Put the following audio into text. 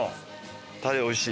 タレおいしい。